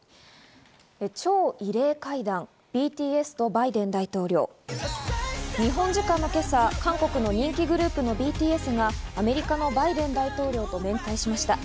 超異例会談、ＢＴＳとバイデン大統領、日本時間の今朝、韓国の人気グループのＢＴＳがアメリカのバイデン大統領と面会しました。